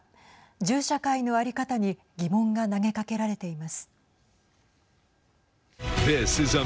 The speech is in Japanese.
銃社会の在り方に疑問が投げかけられています。